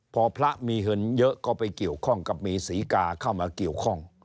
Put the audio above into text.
พอพระมีเงินเยอะก็ไปเกี่ยวข้องกับมีศรีกาเข้ามาเกี่ยวข้อง